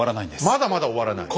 まだまだ終わらない。